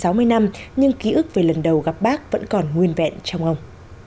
vốn là một lần đầu gặp bác nhưng ký ức về lần đầu gặp bác vẫn còn nguyên vẹn trong ông